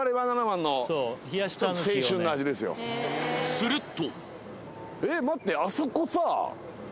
すると